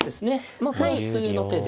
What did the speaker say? まあこれは普通の手で。